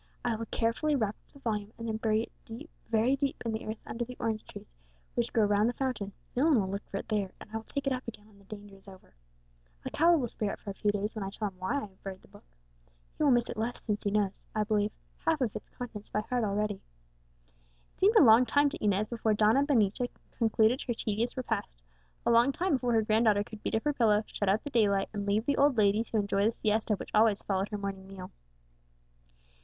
I will carefully wrap up the volume, and then bury it deep, very deep, in the earth under the orange trees which grow round the fountain; no one will look for it there, and I will take it up again when the danger is over. Alcala will spare it for a few days when I tell him why I have buried the Book. He will miss it the less since he knows, I believe, half of its contents by heart already." It seemed a long time to Inez before Donna Benita concluded her tedious repast; a long time before her grand daughter could beat up her pillow, shut out the daylight, and leave the old lady to enjoy the siesta which always followed her morning meal.